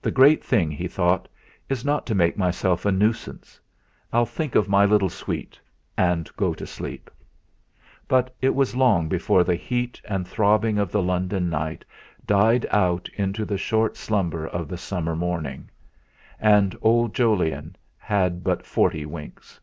'The great thing,' he thought 'is not to make myself a nuisance. I'll think of my little sweet, and go to sleep.' But it was long before the heat and throbbing of the London night died out into the short slumber of the summer morning. And old Jolyon had but forty winks.